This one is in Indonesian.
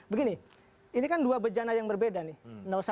begini ini kan dua bejana yang berbeda nih